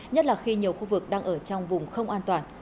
nhất là khi nhiều khu vực đang ở trong vùng không an toàn